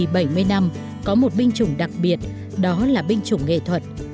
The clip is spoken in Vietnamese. bảy mươi năm có một binh chủng đặc biệt đó là binh chủng nghệ thuật